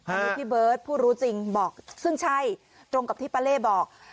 อันนี้พี่เบิร์ตผู้รู้จริงบอกซึ่งใช่ตรงกับที่ป้าเล่บอก